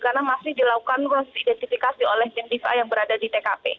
karena masih dilakukan identifikasi oleh jendis yang berada di tkp